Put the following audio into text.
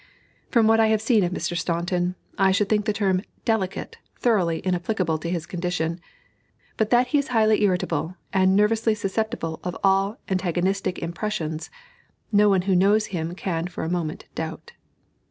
From what I have seen of Mr. Staunton, I should think the term "delicate" thoroughly inapplicable to his condition, but that he is highly irritable, and nervously susceptible of all antagonistic impressions, no one who knows him can for a moment doubt.